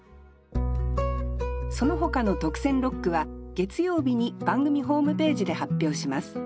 そのほかの特選六句は月曜日に番組ホームページで発表します。